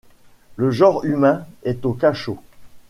Le genre humain est au cachot.